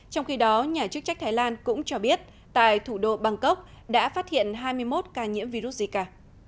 trong khi đó nhà chức trách thái lan cũng cho biết tại thủ đô bangkok đã phát hiện hai mươi một ca nhiễm virus zika